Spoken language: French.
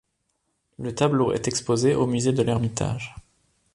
Le tableau est exposé au musée de l'Ermitage.